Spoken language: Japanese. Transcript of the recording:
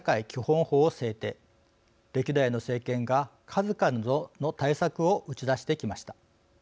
歴代の政権が数々の対策を打ち出してきました。